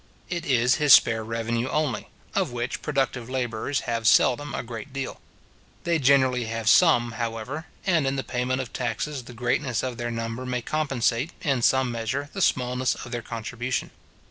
It is his spare revenue only, of which productive labourers have seldom a great deal. They generally have some, however; and in the payment of taxes, the greatness of their number may compensate, in some measure, the smallness of their contribution.